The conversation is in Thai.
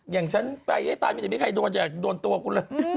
อย่างฉันไปให้ตายไม่มีใครจะโดนตัวกูเลย